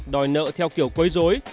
đòi nợ theo kiểu quấy dối